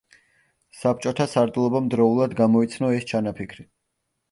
საბჭოთა სარდლობამ დროულად გამოიცნო ეს ჩანაფიქრი.